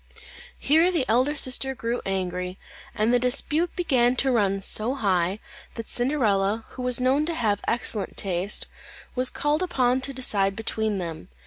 Here the elder sister grew angry, and the dispute began to run so high, that Cinderella, who was known to have excellent taste, was called upon to decide between them.